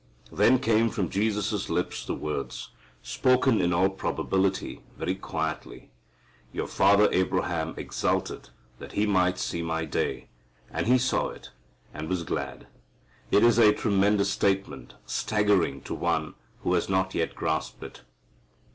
Then came from Jesus' lips the words, spoken in all probability very quietly, "Your father Abraham exulted that he might see my day, and he saw it, and was glad." It is a tremendous statement, staggering to one who has not yet grasped it.